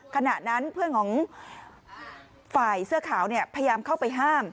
ขณะนั้นเพื่อนของฝ่ายเสื้อขาวพยายามเข้าไปห้าม